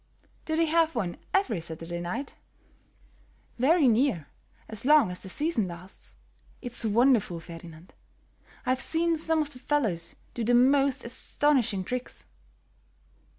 "Do they have one every Saturday night?" "Very near, as long as the season lasts; it's wonderful, Ferdinand. I've seen some of the fellows do the most astonishing tricks."